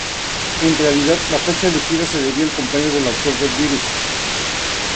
En realidad, la fecha elegida se debía al cumpleaños del autor del virus.